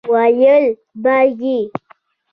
ويل به يې